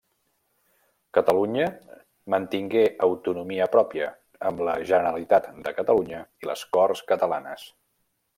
Catalunya mantingué autonomia pròpia, amb la Generalitat de Catalunya i les Corts Catalanes.